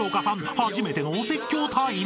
初めてのお説教タイム］